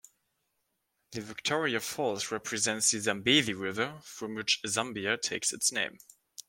The Victoria Falls represents the Zambezi river, from which Zambia takes its name.